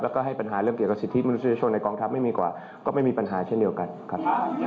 แล้วก็ให้ปัญหาเรื่องเกี่ยวกับสิทธิมนุษยชนในกองทัพไม่มีกว่าก็ไม่มีปัญหาเช่นเดียวกันครับ